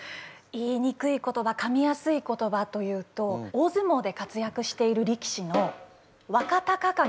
言いにくい言葉かみやすい言葉というと大ずもうで活躍している力士の若隆景。